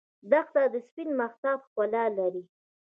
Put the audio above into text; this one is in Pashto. دښته د سپین مهتاب ښکلا لري.